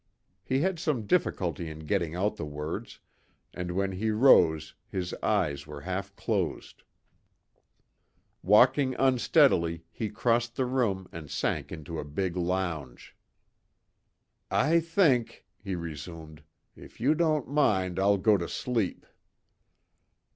He had some difficulty in getting out the words, and when he rose his eyes were half closed. Walking unsteadily, he crossed the room and sank into a big lounge. "I think," he resumed, "if you don't mind, I'll go to sleep."